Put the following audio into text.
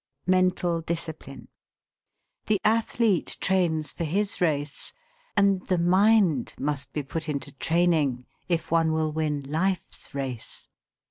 MENTAL DISCIPLINE. The athlete trains for his race; and the mind must be put into training if one will win life's race.